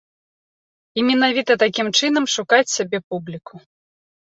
І менавіта такім чынам шукаць сабе публіку.